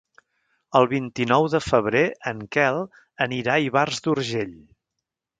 El vint-i-nou de febrer en Quel anirà a Ivars d'Urgell.